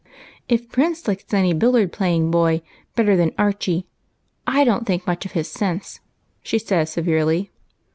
" If Prince likes any billiard playing boy better than Archie, I don't think much of his sense," she said se verely.